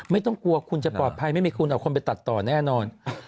ไม่ต้องกลัวคุณจะปลอดภัยไม่มีคุณเอาคนไปตัดต่อแน่นอน